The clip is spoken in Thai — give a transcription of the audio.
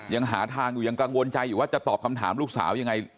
ยังหาทางอยู่ยังกังวลใจอยู่ว่าจะตอบคำถามลูกสาวยังไง